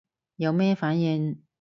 有咩反應